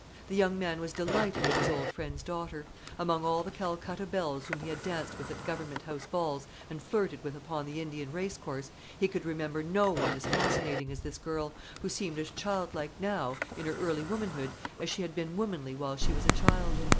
The young man was delighted with his old friend's daughter. Among all the Calcutta belles whom he had danced with at Government House balls and flirted with upon the Indian racecourse, he could remember no one as fascinating as this girl, who seemed as childlike now, in her early womanhood, as she had been womanly while she was a child.